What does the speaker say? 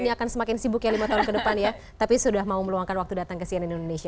ini akan semakin sibuk ya lima tahun ke depan ya tapi sudah mau meluangkan waktu datang ke cnn indonesia